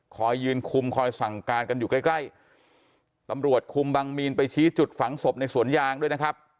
ยืนคุมคอยสั่งการกันอยู่ใกล้ใกล้ตำรวจคุมบังมีนไปชี้จุดฝังศพในสวนยางด้วยนะครับ